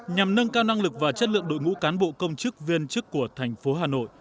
nhằm nâng cao năng lực và chất lượng đội ngũ cán bộ công chức viên chức của thành phố hà nội